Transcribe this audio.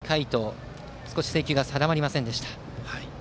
１回、２回と少し制球が定まりませんでした。